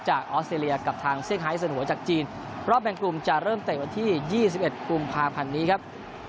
ออสเตรเลียกับทางเซี่ยงไฮทเสนอจากจีนรอบแบ่งกลุ่มจะเริ่มเตะวันที่๒๑กุมภาพันธ์นี้ครับ